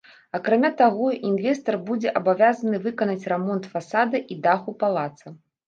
Акрамя таго, інвестар будзе абавязаны выканаць рамонт фасада і даху палаца.